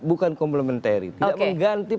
bukan komplementari tidak mengganti